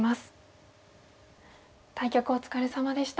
対局お疲れさまでした。